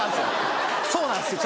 そうなんですよ